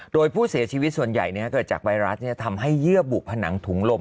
โดยผู้เสียชีวิตส่วนใหญ่เกิดจากไวรัสทำให้เยื่อบุผนังถุงลม